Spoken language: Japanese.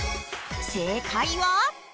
正解は。